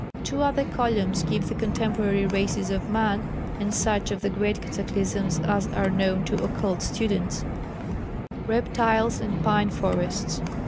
Two other columns give the contemporary races of man, and such of the great cataclysms as are known to occult students. [Sidenote: Reptiles and Pine Forests.